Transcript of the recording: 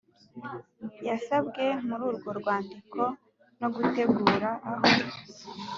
yasabwe muri urwo rwandiko no gutegura aho